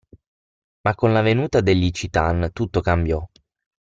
Ma con la venuta degli C'Tan tutto cambiò.